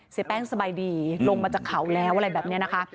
เสียแป้งสบายดีลงมาจากเขาแล้วอะไรแบบนี้นะคะ